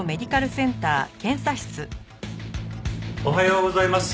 おはようございます。